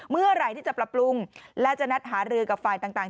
เมื่อไหร่ที่จะปรับปรุงและจะนัดหารือกับฝ่ายต่าง